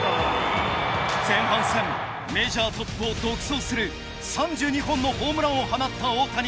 前半戦メジャートップを独走する３２本のホームランを放った大谷。